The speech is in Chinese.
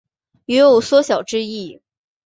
酉有缩小之意。